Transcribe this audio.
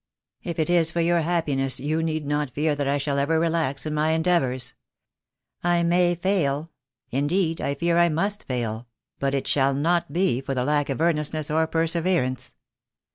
"If it is for your happiness, you need not fear that I shall ever relax in my endeavours. I may fail, — indeed, I fear I must fail, — but it shall not be for the lack of earnestness or perseverance."